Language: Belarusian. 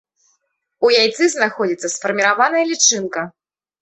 У яйцы знаходзіцца сфарміраваная лічынка.